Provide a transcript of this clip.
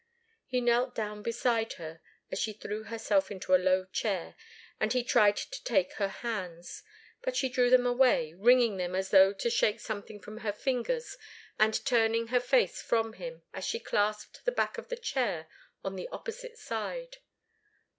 He knelt down beside her as she threw herself into a low chair, and he tried to take her hands. But she drew them away, wringing them as though to shake something from her fingers, and turning her face from him, as she clasped the back of the chair on the opposite side.